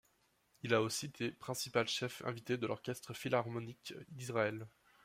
Il a aussi été principal chef invité de l’Orchestre philharmonique d'Israël.